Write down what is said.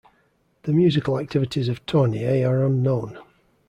The musical activities of Tournier are unknown.